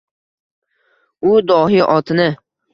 U dohiy otini